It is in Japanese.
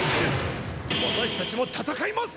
私たちも戦います！